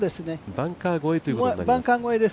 バンカー越えということになります。